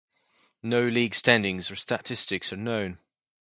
No league standings or statistics are known.